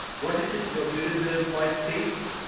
What is it your bewildered poet says